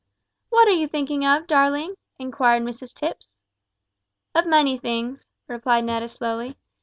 "What are you thinking of, darling?" inquired Mrs Tipps. "Of many things," replied Netta slowly.